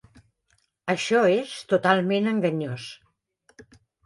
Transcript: Això és totalment enganyós.